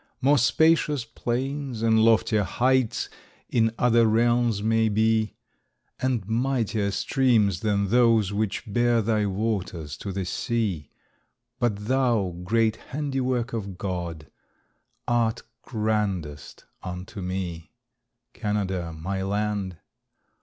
More spacious plains and loftier heights In other realms may be, And mightier streams than those which bear Thy waters to the sea; But thou, great handiwork of God, Art grandest unto me, Canada, my land.